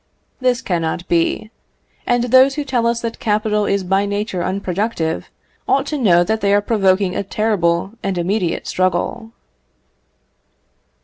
This cannot be; and those who tell us that capital is by nature unproductive, ought to know that they are provoking a terrible and immediate struggle.